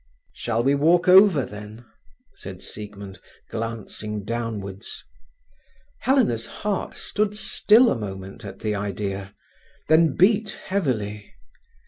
"Shall we walk over, then?" said Siegmund, glancing downwards. Helena's heart stood still a moment at the idea, then beat heavily.